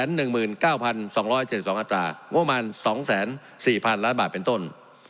ง่วงประมาณ๒๐๔๐๐๐ล้านบาทเป็นต้น